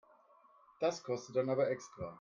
Das kostet dann aber extra.